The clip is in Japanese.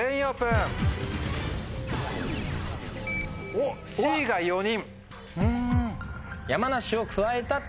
おっＣが４人。